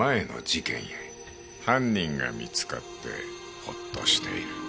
犯人が見つかってホッとしている。